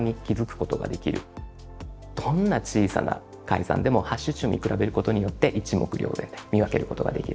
どんな小さな改ざんでもハッシュ値を見比べることによって一目瞭然で見分けることができる。